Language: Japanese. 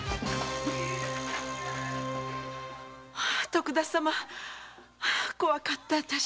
徳田様怖かったアタシ。